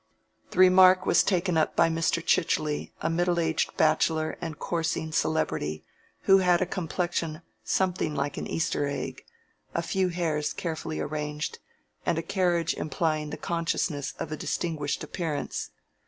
The remark was taken up by Mr. Chichely, a middle aged bachelor and coursing celebrity, who had a complexion something like an Easter egg, a few hairs carefully arranged, and a carriage implying the consciousness of a distinguished appearance.